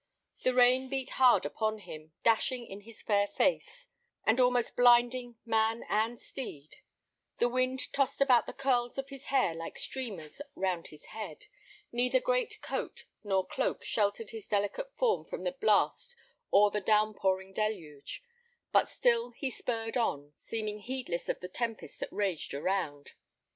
The rain beat hard upon him, dashing in his fair face, and almost blinding man and steed; the wind tossed about the curls of his hair like streamers round his head; neither great coat nor cloak sheltered his delicate form from the blast or the down pouring deluge; but still he spurred on, seeming heedless of the tempest that raged around.